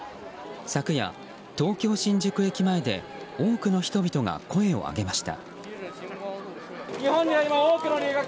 昨夜、東京・新宿駅前で多くの人々が声を上げました。